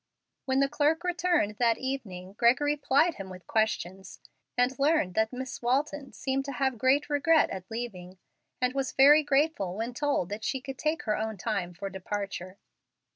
When the clerk returned that evening Gregory plied him with questions, and learned that Miss Walton seemed to have great regret at leaving, and was very grateful when told that she could take her own time for departure.